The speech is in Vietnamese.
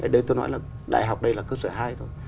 ở đây tôi nói là đại học đây là cơ sở hai thôi